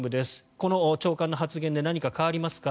この長官の発言で何か変わりますか？